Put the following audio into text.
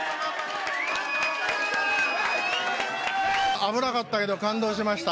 危なかったけど感動しました。